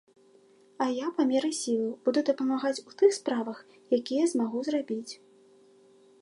А я, па меры сілаў, буду дапамагаць у тых справах, якія змагу зрабіць.